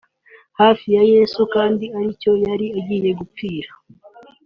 hafi ya Yesu kandi ari cyo yari agiye gupfira